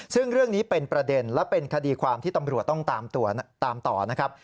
ซึ่งเรื่องนี้เป็นประเด็นและเป็นคดีความที่ตำรวจต้องตามต่อนะครับ